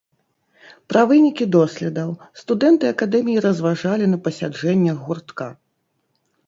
Пра вынікі доследаў студэнты акадэміі разважалі на пасяджэннях гуртка.